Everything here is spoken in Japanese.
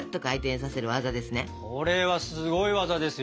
これはすごい技ですよ。